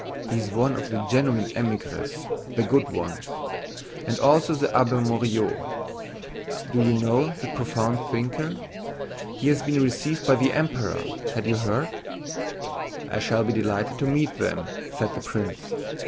He is one of the genuine émigrés, the good ones. And also the Abbé Morio. Do you know that profound thinker? He has been received by the Emperor. Had you heard?" "I shall be delighted to meet them," said the prince.